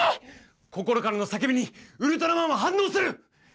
心からの叫びにウルトラマンは反応する！